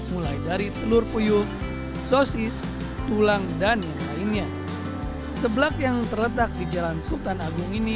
mulai dari telur puyuh sosis tulang dan yang lainnya seblak yang terletak di jalan sultan agung ini